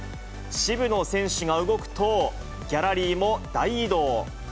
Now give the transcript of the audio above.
渋野選手が動くと、ギャラリーも大移動。